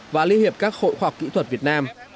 và liên hiệp các hội hoặc kỹ thuật việt nam